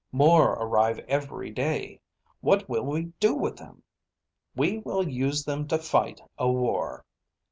More arrive every day. What will we do with them? We will use them to fight a war.